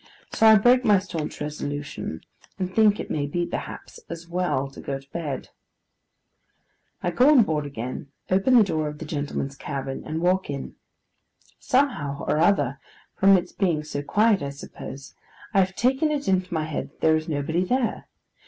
So I break my staunch resolution, and think it may be, perhaps, as well to go to bed. I go on board again; open the door of the gentlemen's cabin and walk in. Somehow or other—from its being so quiet, I suppose—I have taken it into my head that there is nobody there.